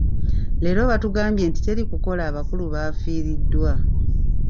Leero batugambye nti teri kukola abakulu baafiiriddwa.